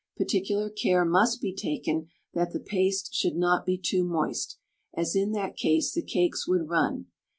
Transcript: Particular care must be taken that the paste should not be too moist, as in that case the cakes would run.